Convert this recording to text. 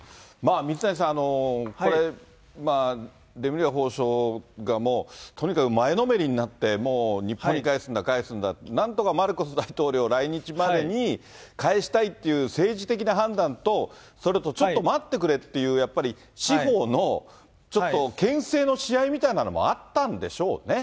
水谷さん、これ、レムリヤ法相がとにかく前のめりになって、もう日本に帰すんだ、帰すんだ、なんとかマルコス大統領来日前に帰したいっていう政治的な判断と、それとちょっと待ってくれっていう、やっぱり司法のちょっと、けん制のしあいみたいなのもあったんでしょうね。